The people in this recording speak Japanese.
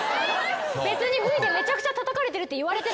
別にＶでめちゃくちゃたたかれてるって言われてない。